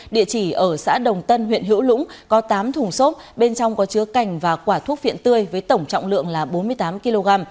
địa chỉ ở xã đồng tân huyện hữu lũng có tám thùng xốp bên trong có chứa cành và quả thuốc phiện tươi với tổng trọng lượng là bốn mươi tám kg